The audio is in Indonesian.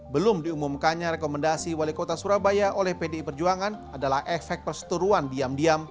belum diumumkannya rekomendasi wali kota surabaya oleh pdi perjuangan adalah efek perseteruan diam diam